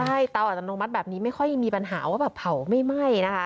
ใช่เตาอัตโนมัติแบบนี้ไม่ค่อยมีปัญหาว่าแบบเผาไม่ไหม้นะคะ